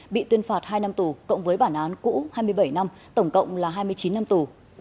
bị tuyên phạt hai năm tù cộng với bản án cũ hai mươi bảy năm tổng cộng là hai mươi chín năm tù